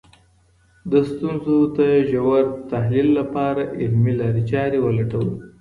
د ستونزو د ژور تحلیل لپاره علمي لاري چارې ولټوئ.